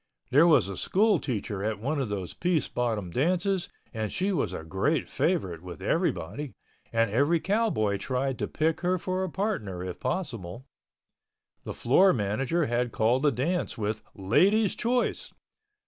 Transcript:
There was a school teacher at one of those Pease Bottom dances and she was a great favorite with everybody and every cowboy tried to pick her for a partner, if possible. The floor manager had called a dance with "Ladies' Choice."